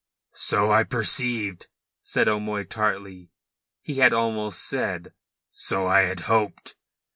"So I perceived," said O'Moy tartly. He had almost said: "So I had hoped."